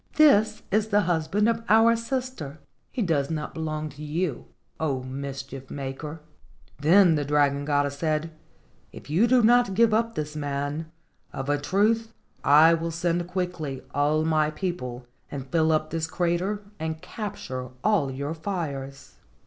This is the husband of our sister; he does not belong to you, O mischief maker." Then the dragon goddess said, "If you do not give up this man, of a truth I will send quickly all my people and fill up this crater and capture LEGENDS OF GHOSTS 158 all your fires."